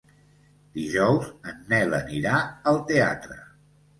Dijous en Nel anirà al teatre.